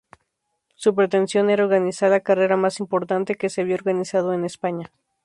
Su pretensión era organizar la carrera más importante que se había organizado en España.